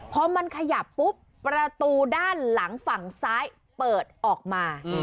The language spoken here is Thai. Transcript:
พอมันขยับปุ๊บประตูด้านหลังฝั่งซ้ายเปิดออกมา